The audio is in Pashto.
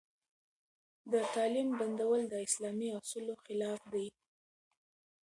د تعليم بندول د اسلامي اصولو خلاف دي.